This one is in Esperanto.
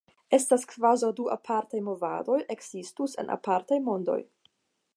Estas kvazaŭ du apartaj movadoj ekzistus en apartaj mondoj.